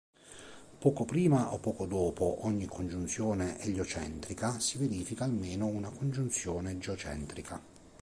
Poco prima o poco dopo ogni congiunzione eliocentrica si verifica almeno una congiunzione geocentrica.